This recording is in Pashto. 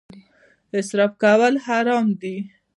اسراف کول حرام دي